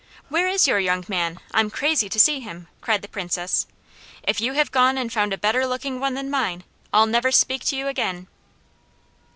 "Where is your young man? I'm crazy to see him," cried the Princess. "If you have gone and found a better looking one than mine, I'll never speak to you again."